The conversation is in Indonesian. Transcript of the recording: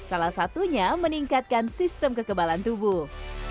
salah satunya meningkatkan sistem kekebalan tubuh